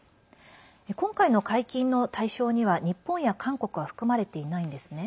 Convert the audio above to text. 今回の解禁の対象には日本や韓国は含まれていないんですね。